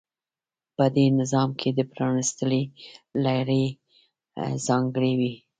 په دې نظام کې د پرانېستوالي لږې ځانګړنې وې.